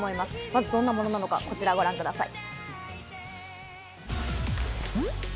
まず、どんなものなのか、こちらをご覧ください。